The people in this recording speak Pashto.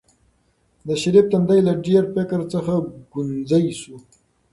د شریف تندی له ډېر فکر څخه ګونځې شو.